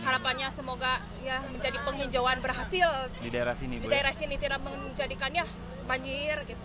harapannya semoga menjadi penghijauan berhasil di daerah sini tidak menjadikannya banjir